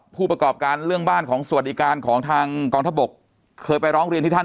ผู้ประกอบการเรื่องบ้านของสวัสดิการของทางกองทบกเคยไปร้องเรียนที่ท่าน